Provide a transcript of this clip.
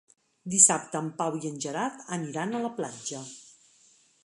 Dissabte en Pau i en Gerard aniran a la platja.